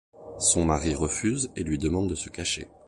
Son mari refuse et lui demande de se cacher...